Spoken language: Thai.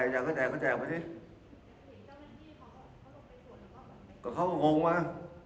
เขาแจ่งเขาแจ่งเขาแจ่งมาสิก็เขาก็งงว่า